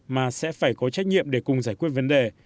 mà sẽ phải có trách nhiệm để cùng giải quyết vấn đề